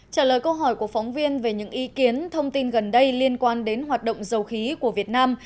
trả lời câu hỏi của phóng viên về những ý kiến thông tin gần đây liên quan đến hoạt động dầu khí của việt nam